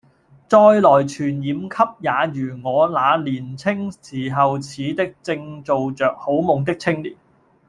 再來傳染給也如我那年青時候似的正做著好夢的青年。